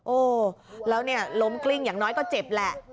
โอ้แล้วเนี่ยล้มกลิ้งอย่างน้อยก็เจ็บแหละ